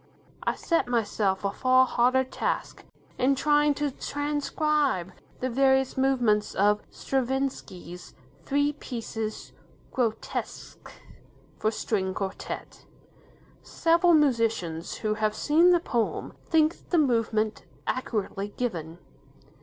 I set myself a far harder task in trying to transcribe the various movements of Stravinsky's "Three Pieces 'Grotesques', for String Quartet". Several musicians, who have seen the poem, think the movement accurately given.